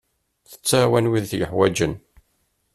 Tettɛawan wid yeḥwaǧen.